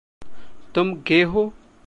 तुम गे हो?